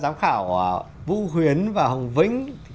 giám khảo vũ huyến và hồng vĩnh